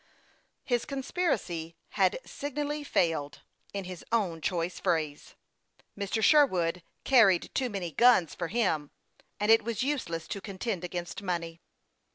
His conspiracy had signally failed ; in his own choice phrase, Mr. Sherwood " carried too many guns for him," and it was useless to contend against money.